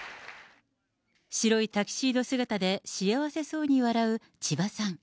白いタキシード姿で幸せそうに笑う千葉さん。